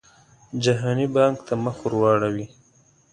جهاني بانک ته مخ ورواړوي.